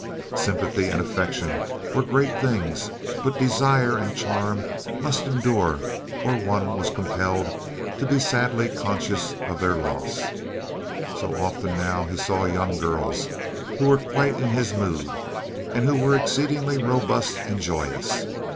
Sympathy and affection were great things, but desire and charm must endure or one was compelled to be sadly conscious of their loss. So often now he saw young girls who were quite in his mood, and who were exceedingly robust and joyous.